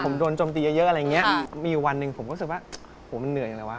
ผมโดนจมตีเยอะอะไรอย่างเงี้ยมีอยู่วันหนึ่งผมรู้สึกว่าโหมันเหนื่อยอะไรวะ